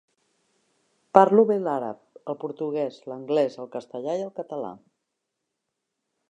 Parlo bé l'àrab, el portuguès, l'anglès, el castellà i el català.